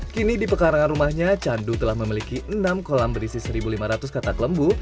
kini di pekarangan rumahnya candu telah memiliki enam kolam berisi satu lima ratus katak lembu